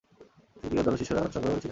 তিনি ও দলের শীর্ষ রান সংগ্রহকারী ছিলেন।